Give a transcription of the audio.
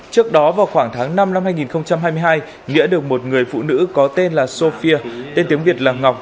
trước đó vào khoảng tháng năm năm hai nghìn hai mươi hai nghĩa được một người phụ nữ có tên là sofia tên tiếng việt là ngọc